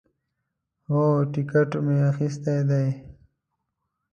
هو، ټیکټ می اخیستی دی